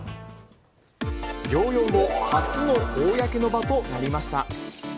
療養後、初の公の場となりました。